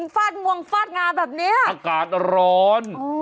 ฟาดงวงฟาดงานแบบนี้อ้าวโอ้โหอากาศร้อน